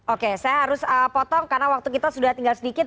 oke saya harus potong karena waktu kita sudah tinggal sedikit